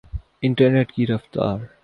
internet کی رفتار